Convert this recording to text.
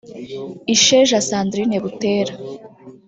Isheja Sandrine Butera